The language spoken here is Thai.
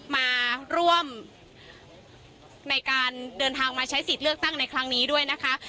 มาร่วมในการเดินทางมาใช้สิทธิ์เลือกตั้งในครั้งนี้ด้วยนะคะ